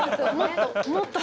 「もっと！